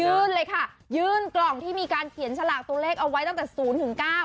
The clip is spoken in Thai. ยืนเลยค่ะยืนกล่องที่มีการเขียนฉลากตัวเลขเอาไว้ตั้งแต่๐๙